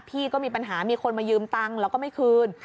พี่ก็มีปัญหามีคนมายืมตังค์แล้วก็ไม่คืน